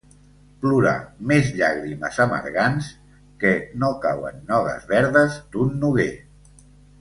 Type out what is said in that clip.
Plorar més llàgrimes amargants que no cauen nogues verdes d'un noguer.